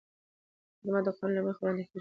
خدمت د قانون له مخې وړاندې کېږي.